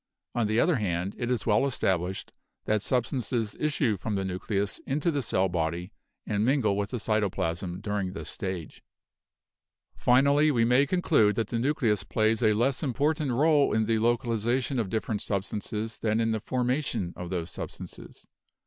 On the other hand, it is well established that substances issue from the nucleus into the cell body and mingle with the cytoplasm during this stage. HEREDITY 261 "Finally, we may conclude that the nucleus plays a less important role in the localization of different substances than in the formation of those substances.